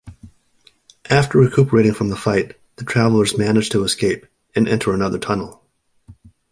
After recuperating from the fight, the travelers manage to escape, and enter another tunnel.